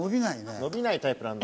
伸びないタイプなんだ。